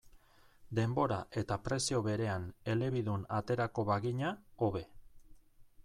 Denbora eta prezio berean elebidun aterako bagina, hobe.